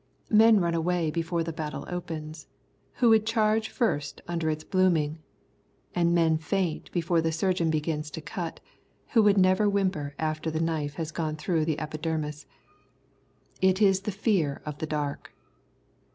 Men run away before the battle opens, who would charge first under its booming, and men faint before the surgeon begins to cut, who never whimper after the knife has gone through the epidermis. It is the fear of the dark.